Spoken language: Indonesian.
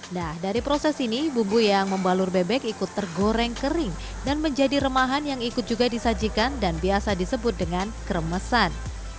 nah dari proses ini bumbu yang membalur bebek ikut tergoreng kering dan menjadi remahan yang ikut juga disajikan dan biasa disebut dengan kremesan